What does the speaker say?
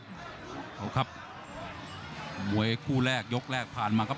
ขอบคุณค่ะหมวยคู่แรกยุกก์แรกผ่านมาครับ